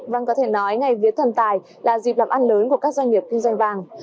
vâng có thể nói ngày vía thần tài là dịp làm ăn lớn của các doanh nghiệp kinh doanh vàng